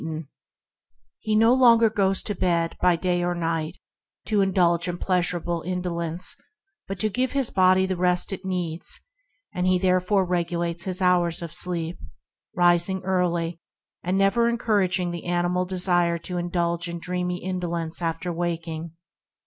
He 46 ENTERING THE KINGDOM no longer goes to bed, by day or night, to indulge in pleasurable indolence, but rather to give his body the rest it needs; he therefore regulates his hours of sleep, rising early, and never encouraging the animal desire to indulge in dreamy indolence after waking.